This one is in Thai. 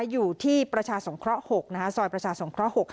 อยู่ที่ประชาสงเคราะห์๖ซอยประชาสงเคราะห์๖๕